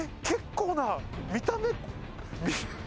結構な見た目。